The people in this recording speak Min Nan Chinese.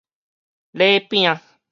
禮餅